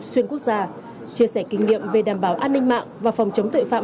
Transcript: xuyên quốc gia chia sẻ kinh nghiệm về đảm bảo an ninh mạng và phòng chống tội phạm